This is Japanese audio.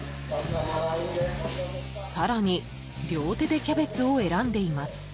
更に、両手でキャベツを選んでいます。